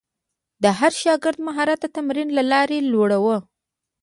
د هر شاګرد مهارت د تمرین له لارې لوړاوه.